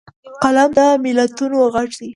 قلم د ملتونو غږ دی